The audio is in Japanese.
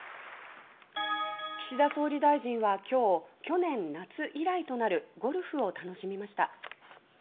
岸田総理大臣は今日去年夏以来となるゴルフを楽しみました。